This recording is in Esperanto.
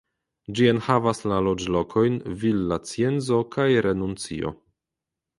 Ĝi enhavas la loĝlokojn Villacienzo kaj Renuncio.